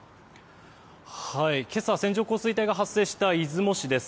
今朝、線状降水帯が発生した出雲市です。